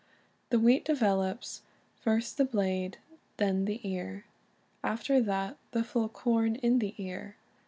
The wheat develops, "first the blade, then the ear, after that the full corn in the ear."